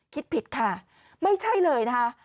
คิดผิดค่ะไม่ใช่เลยนะคะ